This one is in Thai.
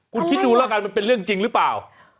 คุณคิดดูแล้วกันมันเป็นเรื่องจริงหรือเปล่า